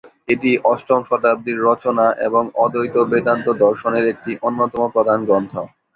এটি অষ্টম শতাব্দীর রচনা এবং অদ্বৈত বেদান্ত দর্শনের একটি অন্যতম প্রধান গ্রন্থ।